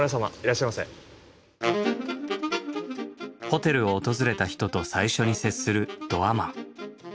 ホテルを訪れた人と最初に接するドアマン。